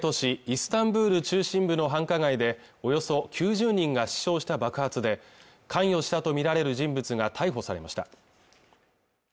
イスタンブール中心部の繁華街でおよそ９０人が死傷した爆発で関与したとみられる人物が逮捕されました